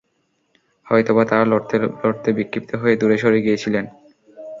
হয়তোবা তাঁরা লড়তে লড়তে বিক্ষিপ্ত হয়ে দূরে সরে গিয়েছিলেন।